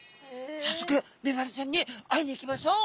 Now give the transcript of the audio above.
さっそくメバルちゃんに会いに行きましょう！